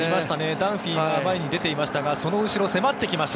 ダンフィーが前に出ていましたがその後ろ、迫ってきました。